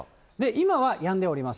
今はやんでおります。